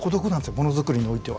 物づくりにおいては。